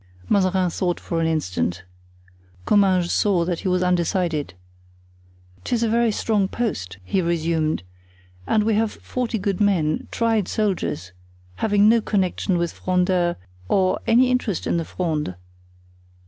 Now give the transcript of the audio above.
Mazarin thought for an instant. Comminges saw that he was undecided. "'Tis a very strong post," he resumed, "and we have forty good men, tried soldiers, having no connection with Frondeurs nor any interest in the Fronde."